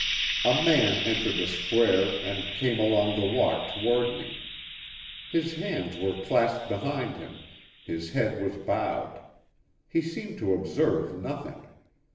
A man entered the square and came along the walk toward me. His hands were clasped behind him, his head was bowed; he seemed to observe nothing.